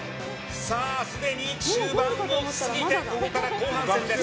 さあ、すでに中盤を過ぎてここから後半戦です。